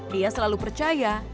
dia selalu percaya